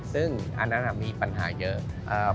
ซึ่งอันนั้นมีปัญหาเยอะ